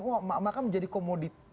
wah emak emak kan menjadi komoditas